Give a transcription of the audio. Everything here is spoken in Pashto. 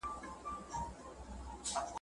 چې ساقي د لمر جامونه یو په بل ږدي.